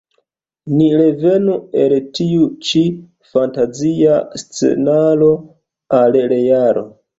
Ni revenu el tiu ĉi fantazia scenaro al realo.